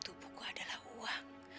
tubuhku adalah uang